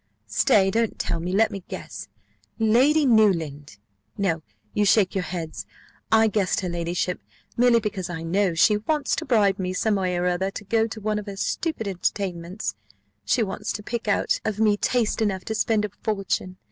Stay, don't tell me, let me guess Lady Newland? No; you shake your heads. I guessed her ladyship, merely because I know she wants to bribe me some way or other to go to one of her stupid entertainments; she wants to pick out of me taste enough to spend a fortune.